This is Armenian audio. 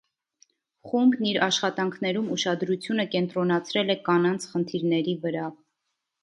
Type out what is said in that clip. Խումբն իր աշխատանքներում ուշադրությունը կենտրոնացրել է կանանց խնդիրների վրա։